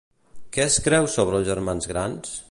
Què es creu sobre els germans grans?